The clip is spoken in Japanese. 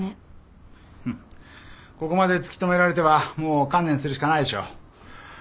ここまで突き止められてはもう観念するしかないでしょう。